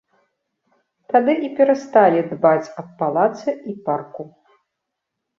Тады і перасталі дбаць аб палацы і парку.